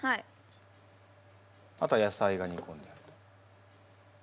あとは野菜がにこんであると。